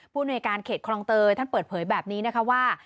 หน่วยการเขตคลองเตยท่านเปิดเผยแบบนี้นะคะว่า